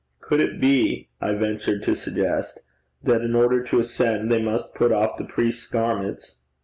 'Could it be,' I ventured to suggest, 'that, in order to ascend, they must put off the priests' garments?'